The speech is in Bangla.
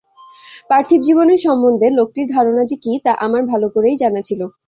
পার্থিব জীবন সম্বন্ধে লোকটির ধারণা যে কী তা আমার ভালো করেই জানা ছিল।